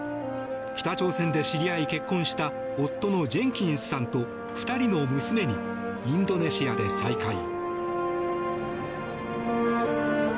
北朝鮮で知り合い、結婚した夫のジェンキンスさんと２人の娘にインドネシアで再会。